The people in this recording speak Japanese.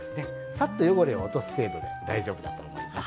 さっと汚れを落とす程度で大丈夫だと思います。